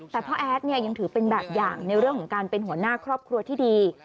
แต่พ่อแอดเนี่ยยังถือเป็นแบบอย่างในเรื่องของการเป็นหัวหน้าครอบครัวที่ดี